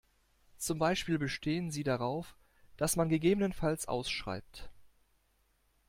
Zum Beispiel bestehen sie darauf, dass man gegebenenfalls ausschreibt.